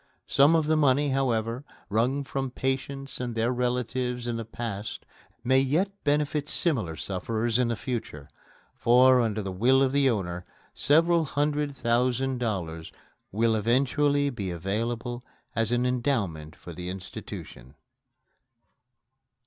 Some of the money, however, wrung from patients and their relatives in the past may yet benefit similar sufferers in the future, for, under the will of the owner, several hundred thousand dollars will eventually be available as an endowment for the institution.